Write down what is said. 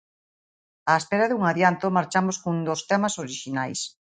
Á espera dun adianto, marchamos cun dos temas orixinais.